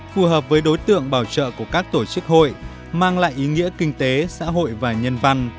phù hợp với đối tượng bảo trợ của các tổ chức hội mang lại ý nghĩa kinh tế xã hội và nhân văn